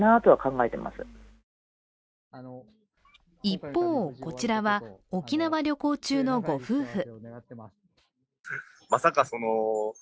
一方、こちらは沖縄旅行中のご夫婦。